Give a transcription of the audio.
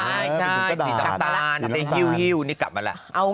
สี่ตักตาลาหิวกลับมาแหละ